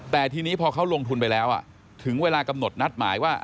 แต่ทีนี้พอเขาลงทุนไปแล้วถึงเวลากำหนดนัดหมายว่า